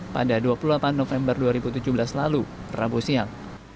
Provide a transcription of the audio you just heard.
pada dua puluh delapan november dua ribu tujuh belas lalu rabu siang